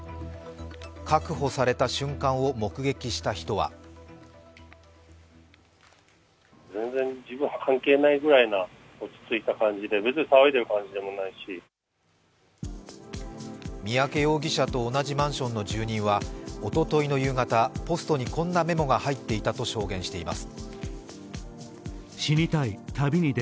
確保された瞬間を目撃した人は三宅容疑者と同じマンションの住人はおとといの夕方、ポストにこんなメモが入ってたと証言しています。